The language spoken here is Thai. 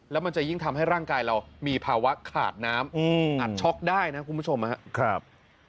แล้วมันจะยิ่งทำให้ร่างกายเรามีภาวะขาดน้ำอัดช็อกได้นะคุณผู้ชมนะครับ